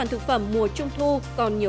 tiếp nối chương trình